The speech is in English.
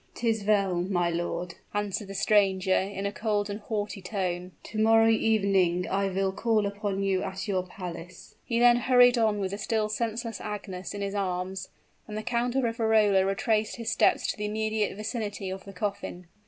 "'Tis well, my lord," answered the stranger, in a cold and haughty tone. "To morrow evening I will call upon you at your palace." He then hurried on with the still senseless Agnes in his arms; and the Count of Riverola retraced his steps to the immediate vicinity of the coffin.